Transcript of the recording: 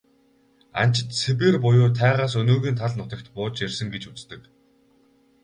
Анчид Сибирь буюу тайгаас өнөөгийн тал нутагт бууж ирсэн гэж үздэг.